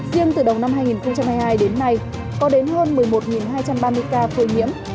riêng từ đầu năm hai nghìn hai mươi hai đến nay có đến hơn một mươi một hai trăm ba mươi ca phơi nhiễm